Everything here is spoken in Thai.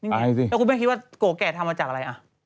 ตายสิแล้วคุณแม่คิดว่ากลัวแก่ทำมาจากอะไรอ่ะ